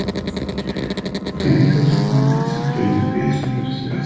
En esta subfamilia se incluyen especies muy agresivas.